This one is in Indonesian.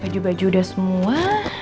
baju baju udah semua